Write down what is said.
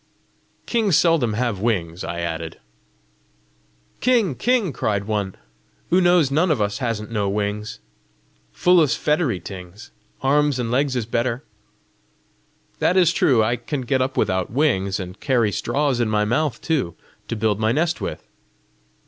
"Kings seldom have wings!" I added. "King! king!" cried one, "oo knows none of us hasn't no wings foolis feddery tings! Arms and legs is better." "That is true. I can get up without wings and carry straws in my mouth too, to build my nest with!"